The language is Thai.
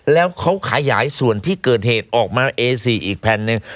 แล้วเขาขยายส่วนที่เกิดเหตุออกมาเอสี่อีกแผ่นหนึ่ง